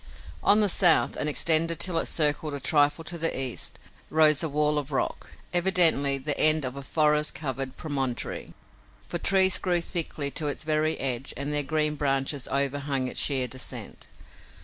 On the south, and extending till it circled a trifle to east, rose a wall of rock, evidently the end of a forest covered promontory, for trees grew thickly to its very edge and their green branches overhung its sheer descent.